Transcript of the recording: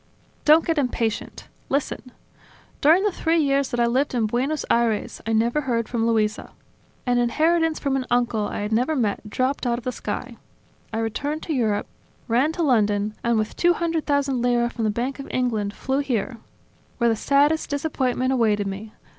"Don't get impatient. Listen. During the three years that I lived in Buenos Aires, I never heard from Luisa. An inheritance from an uncle I had never met dropped out of the sky, I returned to Europe, ran to London ... and with two hundred thousand lire from the Bank of England flew here ... where the saddest disappointment awaited me.